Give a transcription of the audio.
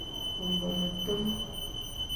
Mbo metem,